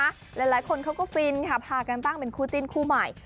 หลายคนเขาก็ฟินค่ะพากันตั้งเป็นคู่จิ้นคู่ใหม่